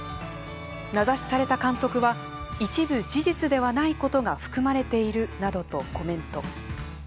名指しされた監督は一部事実ではないことが含まれているなどとコメント。